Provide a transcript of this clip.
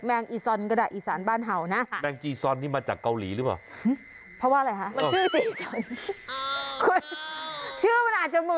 มันก็เป็นภาษาบ้านเรายังแหละภาษาอีสาน